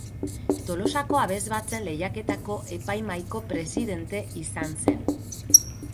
Tolosako Abesbatzen Lehiaketako epaimahaiko presidente izan zen.